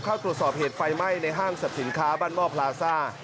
เข้าตรวจสอบเหตุไฟไหม้ในห้างสรรพสินค้าบ้านหม้อพลาซ่า